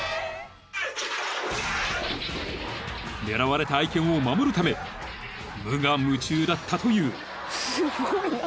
［狙われた愛犬を守るため無我夢中だったという］